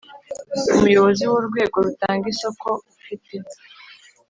Umuyobozi w urwego rutanga isoko ufite